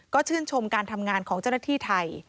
ก็ชื่นชมการทำงานของเจ้าหน้าที่ไทย